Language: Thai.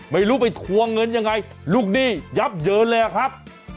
ไม่รู้ไปทวงเงินอย่างไรลูกนี่ยับเยอะแหละครับ